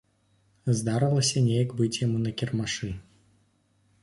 Здарылася неяк быць яму на кірмашы.